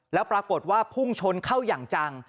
แล้วปรากฏว่าพุ่งชนเข้าอย่างจัง